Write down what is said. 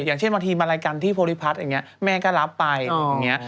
อย่างเช่นบางทีมารายการที่โพลิพัฒน์อย่างนี้แม่ก็รับไปอย่างนี้